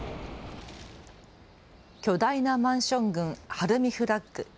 巨大なマンション群、晴海フラッグ。